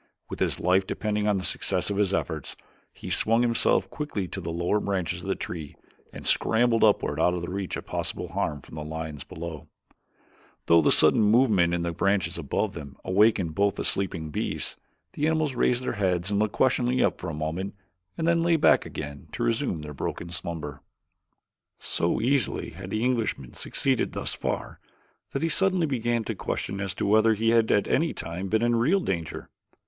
With his life depending upon the success of his efforts, he swung himself quickly to the lower branches of the tree and scrambled upward out of reach of possible harm from the lions below though the sudden movement in the branches above them awakened both the sleeping beasts. The animals raised their heads and looked questioningly up for a moment and then lay back again to resume their broken slumber. So easily had the Englishman succeeded thus far that he suddenly began to question as to whether he had at any time been in real danger.